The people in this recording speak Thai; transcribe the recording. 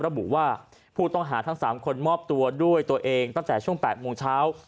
ระบุว่าผู้ต้องหาทั้ง๓คนมอบตัวด้วยตัวเองตั้งแต่ช่วง๘โมงเช้า